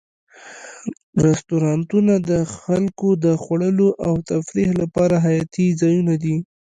رستورانتونه د خلکو د خوړلو او تفریح لپاره حیاتي ځایونه دي.